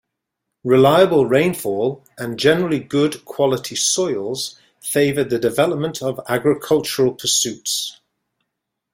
Reliable rainfall and generally good quality soils favoured the development of agricultural pursuits.